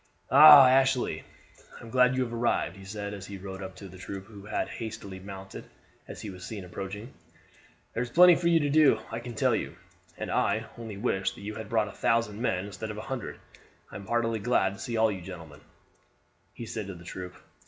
"Ah! Ashley, I am glad you have arrived," he said, as he rode up to the troop, who had hastily mounted as he was seen approaching. "There is plenty for you to do, I can tell you; and I only wish that you had brought a thousand men instead of a hundred. I am heartily glad to see you all, gentlemen," he said to the troop.